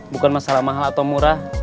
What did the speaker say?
bukan masalah mahal atau murah